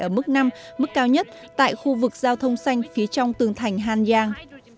ở mức năm mức cao nhất tại khu vực giao thông xanh phía trong tường thành hàn giang